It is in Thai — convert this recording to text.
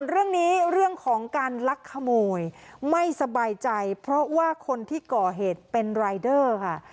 เรื่องนี้เรื่องของการลักขโมยไม่สบายใจเพราะว่าคนที่ก่อเหตุเป็นรายเดอร์ค่ะ